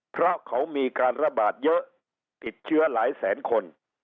เพราะเขามีการระบาดเยอะติดเชื้อหลายแสนคน